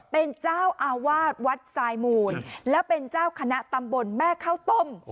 เป็นเจ้าอาวาสวัดสายมูลแล้วเป็นเจ้าคณะตำบลแม่ข้าวต้ม